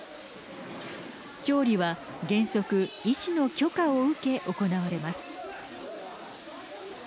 調理は原則医師の許可を受け行われます。